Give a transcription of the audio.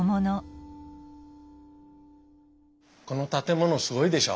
この建物すごいでしょ？